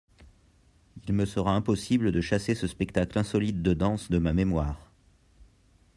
Il me sera impossible de chasser ce spectacle insolite de danse de ma mémoire.